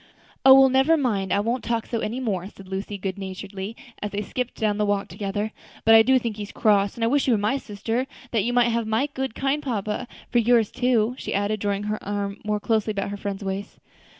"O! well, never mind, I won't talk so any more," said Lucy, good naturedly, as they skipped down the walk together; "but I do think he's cross, and I wish you were my sister, that you might have my kind, good papa for yours too," she added, drawing her arm more closely about her friend's waist.